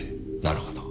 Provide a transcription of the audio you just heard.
なるほど。